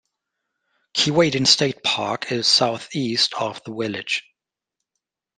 Keewaydin State Park is southeast of the village.